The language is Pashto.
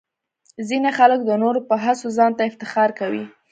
ځینې خلک د نورو په هڅو ځان ته افتخار کوي.